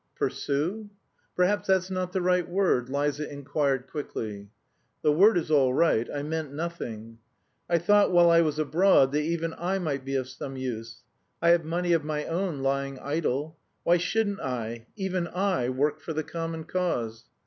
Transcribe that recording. "Pursue?" "Perhaps that's not the right word?" Liza inquired quickly. "The word is all right; I meant nothing." "I thought while I was abroad that even I might be of some use. I have money of my own lying idle. Why shouldn't I even I work for the common cause?